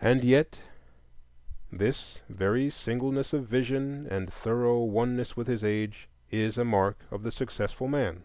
And yet this very singleness of vision and thorough oneness with his age is a mark of the successful man.